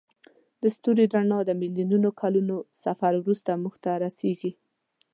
د ستوري رڼا د میلیونونو کلونو سفر وروسته موږ ته رسیږي.